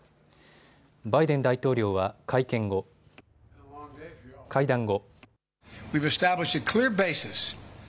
バイデン大統領は会談後。